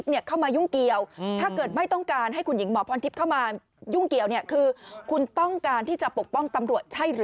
บางช่วงของการแถลงข่าว